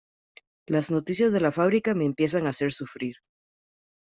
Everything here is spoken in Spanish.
Las noticias de la fábrica me empiezan a hacer sufrir.